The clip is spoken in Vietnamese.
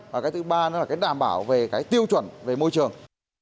và cái thứ ba nữa là cái đảm bảo về cái tiêu chuẩn về môi trường